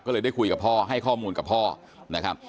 ก็เลยได้คุยกับพ่อให้ข้อมูลกับพ่อนะครับ